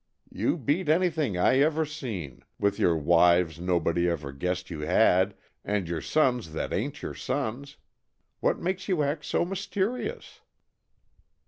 You beat anything I ever seen, with your wives nobody ever guessed you had, and your sons that ain't your sons. What makes you act so mysterious?"